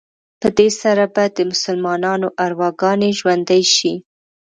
په دې سره به د مسلمانانو ارواګانې ژوندي شي.